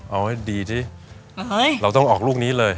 เอาให้ดีสิเราต้องออกลูกนี้เลย